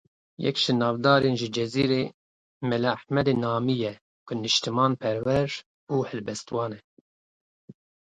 Yek ji navdarên ji Cezîrê Mele Ehmedê Namî ye ku niştiman perwer û helbestvane.